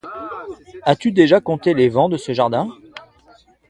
As-tu déjà compté les vents de ce jardin ?